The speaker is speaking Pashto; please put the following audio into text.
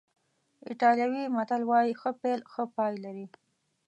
ایټالوي متل وایي ښه پیل ښه پای لري.